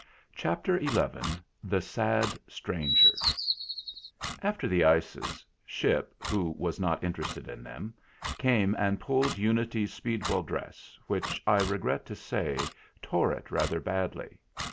CHAPTER XI THE SAD STRANGER After the ices Ship, who was not interested in them, came and pulled Unity's speedwell dress, and, I regret to say, tore it rather badly.